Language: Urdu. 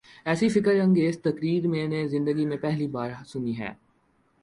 ایسی فکر انگیز تقریر میں نے زندگی میں پہلی بار سنی ہے۔